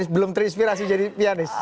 belum terinspirasi jadi pianis